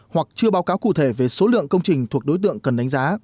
hoặc chưa báo cáo cụ thể về số lượng công trình thuộc đối tượng cần đánh giá